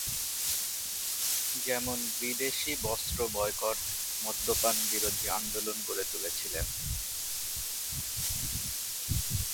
যেমন বিদেশি বস্ত্র বয়কট, মদ্যপান বিরোধী আন্দোলন গড়ে তুলেছিলেন।